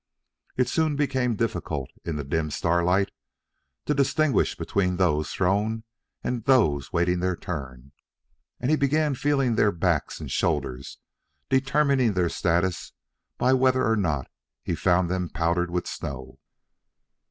It soon became difficult, in the dim starlight, to distinguish between those thrown and those waiting their turn, and he began feeling their backs and shoulders, determining their status by whether or not he found them powdered with snow.